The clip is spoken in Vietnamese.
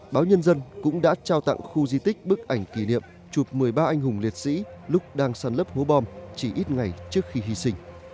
báo nhân dân cũng đã trao tặng khu di tích bức ảnh kỷ niệm chụp một mươi ba anh hùng liệt sĩ lúc đang săn lấp hố bom chỉ ít ngày trước khi hy sinh